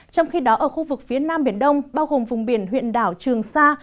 trong khi đó ở khu vực phía nam biển đông bao gồm vùng biển huyện đảo trường sa